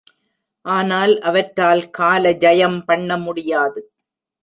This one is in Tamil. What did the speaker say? ஆனால் அவற்றால் கால ஜயம் பண்ண முடியாது.